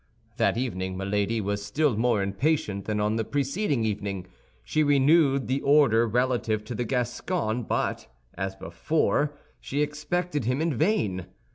That evening Milady was still more impatient than on the preceding evening. She renewed the order relative to the Gascon; but as before she expected him in vain.